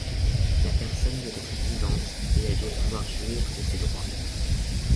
La personne doit être vivante, et elle doit pouvoir jouir de ses droits.